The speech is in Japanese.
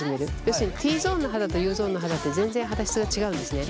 要するにＴゾーンの肌とＵゾーンの肌って全然肌質が違うんですね。